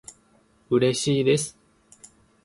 うれしいです